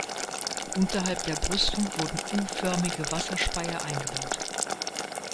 Unterhalb der Brüstung wurden U-förmige Wasserspeier eingebaut.